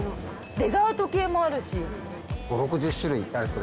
デザート系もあるし。